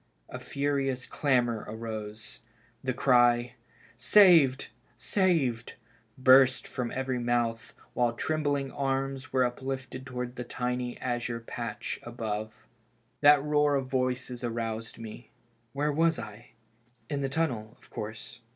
A furious clamor arose. The cry, Saved! saved!" burst from every mouth, while trembling arms were uplifted towards the tiny azure patch above. That roar of voices aroused me. Where was I ? In the tunnel, of course.